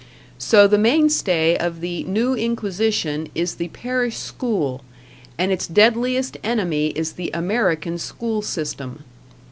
So the mainstay of the New Inquisition is the parish school, and its deadliest enemy is the American school system.